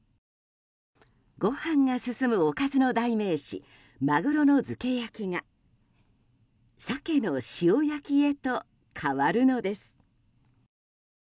ご飯が進むおかずの代名詞鮪の漬け焼が鮭の塩焼きへと変わるのです。